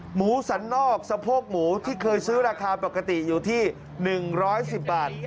หมูสันนอกสะโพกหมูที่เคยซื้อราคาปกติอยู่ที่๑๑๐บาท